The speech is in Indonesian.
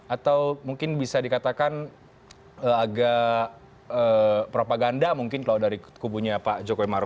atau mungkin bisa dikatakan agak propaganda mungkin kalau dari kubunya pak jokowi maruf